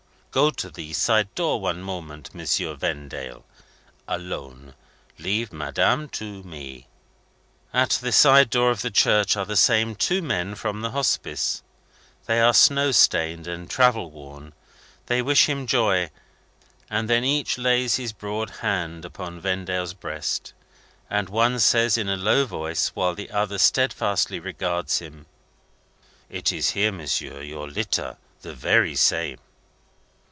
"Go to the side door, one moment, Monsieur Vendale. Alone. Leave Madame to me." At the side door of the church, are the same two men from the Hospice. They are snow stained and travel worn. They wish him joy, and then each lays his broad hand upon Vendale's breast, and one says in a low voice, while the other steadfastly regards him: "It is here, Monsieur. Your litter. The very same."